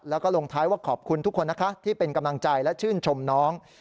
แล้วก็ลงท้ายว่าขอบคุณทุกคนนะคะที่เป็นกำลังใจและชื่นชมน้อง